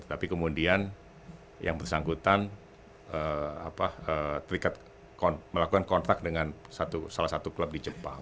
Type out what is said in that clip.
tapi kemudian yang bersangkutan melakukan kontak dengan salah satu klub di jepang